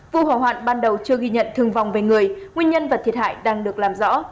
vụ hỏa hoạn ban đầu chưa ghi nhận thương vong về người nguyên nhân và thiệt hại đang được làm rõ